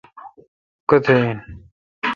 کتھ این۔